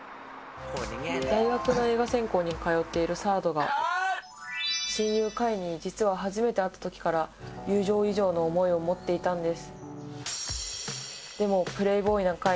大学の映画制作に通っているサードが親友、カイに実は初めて会った時から友情以上の思いを持っていたんです。